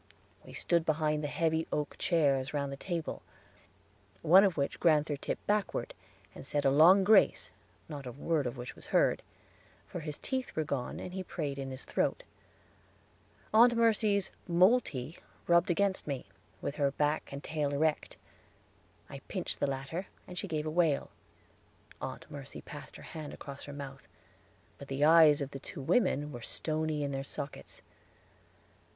We stood behind the heavy oak chairs round the table, one of which Grand'ther tipped backward, and said a long grace, not a word of which was heard; for his teeth were gone, and he prayed in his throat. Aunt Mercy's "Moltee" rubbed against me, with her back and tail erect. I pinched the latter, and she gave a wail. Aunt Mercy passed her hand across her mouth, but the eyes of the two women were stony in their sockets.